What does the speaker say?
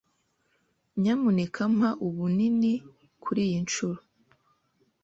Nyamuneka mpa ubunini kuriyi nshuro.